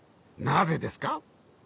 なぜですか？